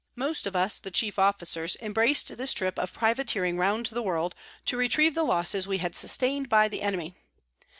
Most of us, the chief Officers, embrac'd this Trip of Privateering round the World, to retrieve the Losses we had sustain'd by the Enemy.